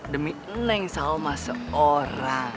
demi eneng sama seorang